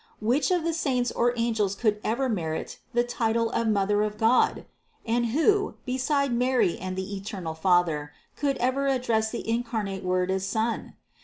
Which of the saints or angels could ever merit the title of Mother of God? And who, beside Mary and the eternal Father, could ever address the incarnate Word as Son?